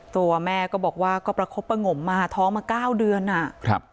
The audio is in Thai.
ตัวแม่ก็บอกว่าก็ประคบประงมมาท้องมาเก้าเดือนอ่ะครับ